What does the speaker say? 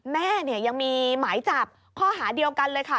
แม่เนี่ยยังมีหมายจับข้อหาเดียวกันเลยค่ะ